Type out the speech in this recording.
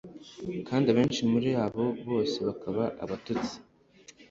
kandi abenshi muri abo bose bakaba abatutsi